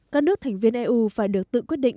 các nước thành viên eu phải được tự quyết định